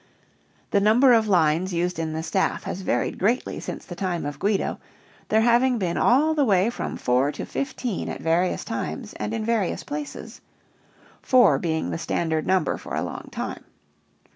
The number of lines used in the staff has varied greatly since the time of Guido, there having been all the way from four to fifteen at various times and in various places, (four being the standard number for a long time).